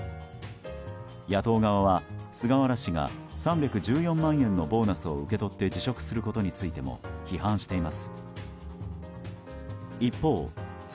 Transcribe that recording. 野党側は、菅原氏が３１４万円のボーナスを受け取って辞職することについても批判しています。